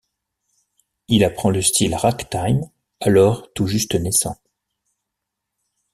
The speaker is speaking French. Il apprend le style ragtime, alors tout juste naissant.